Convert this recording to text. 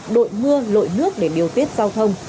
đội mưa lội nước để điều tiết giao thông